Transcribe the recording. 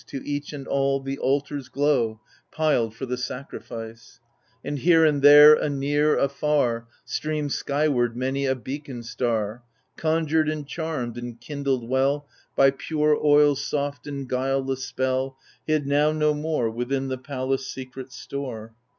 To each and all the altars glow, Piled for the sacrifice 1 And here and there, anear, afar, Streams skyward many a beacon star, Conjur'd and charm'd and kindled well By pure oil's soft and guileless spell. Hid now no more Within the palace' secret store.